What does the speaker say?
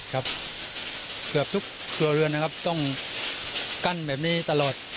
เกือบทุกครัวเรือนนะครับต้องกั้นแบบนี้ตลอด